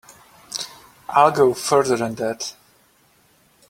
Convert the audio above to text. I'll go further than that.